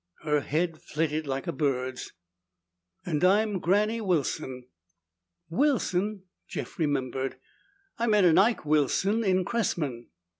Her head flitted like a bird's. "And I'm Granny Wilson." "Wilson?" Jeff remembered. "I met an Ike Wilson in Cressman."